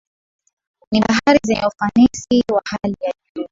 Ni bahari zenye ufanisi wa hali ya juu